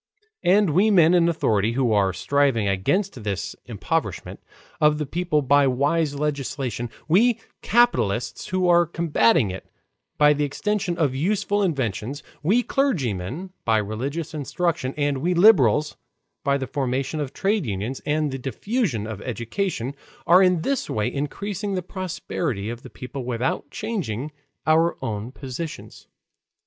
And we men in authority who are striving against this impoverishment of the people by wise legislation, we capitalists who are combating it by the extension of useful inventions, we clergymen by religious instruction, and we liberals by the formation of trades unions, and the diffusion of education, are in this way increasing the prosperity of the people without changing our own positions.